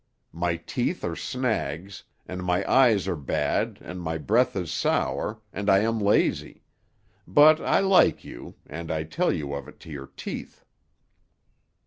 My teeth are snags, and my eyes are bad, and my breath is sour, and I am lazy; but I like you, and I tell you of it to your teeth."